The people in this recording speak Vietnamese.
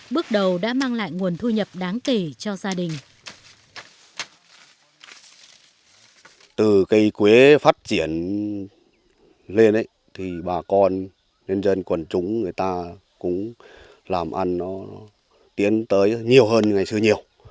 bước đầu đã mang lại nguồn thu nhập đáng kể cho gia đình